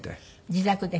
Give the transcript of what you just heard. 自宅で？